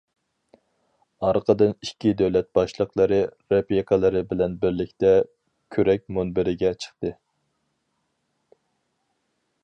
ئارقىدىن ئىككى دۆلەت باشلىقلىرى رەپىقىلىرى بىلەن بىرلىكتە كۆرەك مۇنبىرىگە چىقتى.